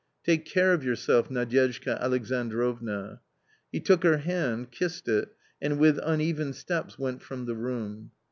u Take care of yourself, Nadyezhda Alexandrovna 1 " He took her hand, kissed it, and with uneven steps went from the room.